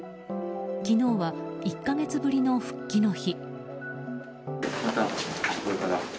昨日は１か月ぶりの復帰の日。